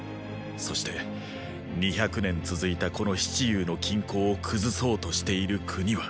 そして二百年続いたこの七雄の均衡を崩そうとしている国は秦。